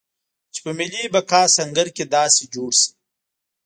چې په ملي بقا سنګر کې داسې جوړ شي.